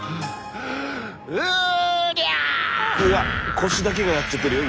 うわっ腰だけがやっちゃってるよ